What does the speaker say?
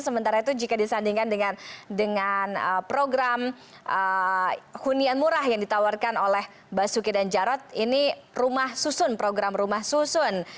sementara itu jika disandingkan dengan program hunian murah yang ditawarkan oleh basuki dan jarod ini rumah susun program rumah susun